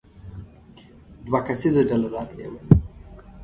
دوه کسیزه ډله راغلې وه.